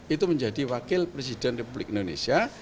itu menjadi wakil presiden republik indonesia